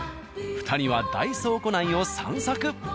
２人は大倉庫内を散策。